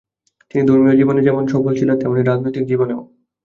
তিনি ধর্মীয় জীবনে যেমন সফল ছিলেন, তেমনই রাজনৈতিক জীবনেও।